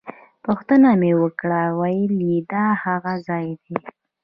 پوښتنه مې وکړه ویل یې دا هغه ځای دی.